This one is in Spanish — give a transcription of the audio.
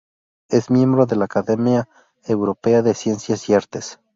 Es miembro de la Academia Europea de Ciencias y Artes.